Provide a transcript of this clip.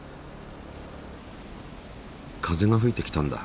風がふいてきたんだ！